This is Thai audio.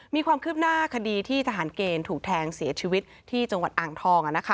มีความคืบหน้าคดีที่ทหารเกณฑ์ถูกแทงเสียชีวิตที่จังหวัดอ่างทอง